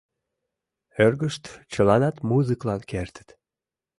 Эргышт чыланат музыклан кертыт.